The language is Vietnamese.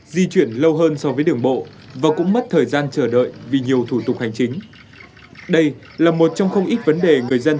di chuyển lâu hơn so với đường bộ và cũng mất thời gian chờ đợi vì nhiều thủ tục hành chính